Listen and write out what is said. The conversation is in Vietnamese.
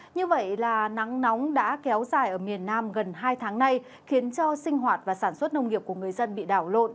như vậy là nắng nóng đã kéo dài ở miền nam gần hai tháng nay khiến cho sinh hoạt và sản xuất nông nghiệp của người dân bị đảo lộn